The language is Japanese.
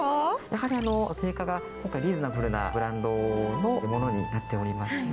「やはりあの定価が今回リーズナブルなブランドの物になっておりまして」